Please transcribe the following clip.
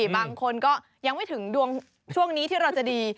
บางคนก็ยังไม่ถึงดวงช่วงนี้ที่เราจะดี